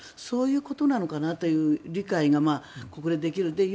そういうことなのかなという理解がここでできる。